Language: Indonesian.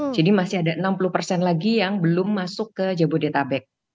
jadi masih ada enam puluh persen lagi yang belum masuk ke jabodetabek